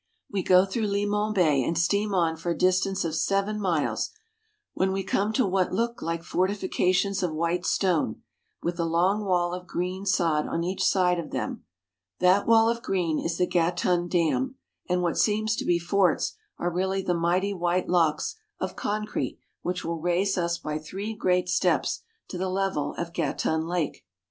We go through Limon Bay and steam on for a distance of seven miles, when we come to what look Hke fortifications of white stone, with a long wall of green sod on each side of them. That wall of green is the Gatun Dam, and what seem to be forts are really the mighty white locks of con Crete which will raise us by three great steps to the level of Gatun Lake.